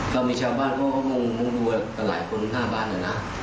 เรามีชาวบ้านก็มุ่งดัวแต่หลายคนหน้าบ้านหน่อยนะ